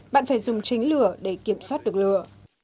bạn phải dùng chính lửa để kiểm tra